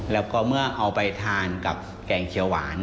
แล้วก็เมื่อเอาไปทานกับแกงเขียวหวาน